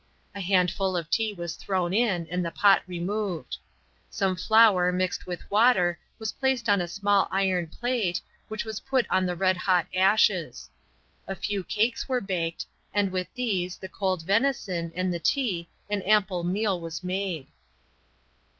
A handful of tea was thrown in and the pot removed. Some flour, mixed with water, was placed on a small iron plate, which was put on the red hot ashes. A few cakes were baked, and with these, the cold venison, and the tea an ample meal was made.